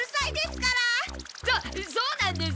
そそうなんです。